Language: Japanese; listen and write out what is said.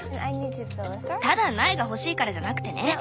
ただ苗が欲しいからじゃなくてね。